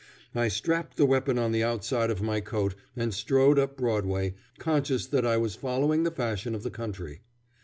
I strapped the weapon on the outside of my coat and strode up Broadway, conscious that I was following the fashion of the country.